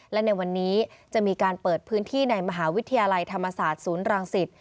และในวันนี้จะมีการเปิดพื้นที่ในมหาวิทยาลัยธรรมศาสตร์ศูนย์รังสิต